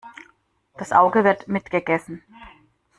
Das Auge wird mitgegessen.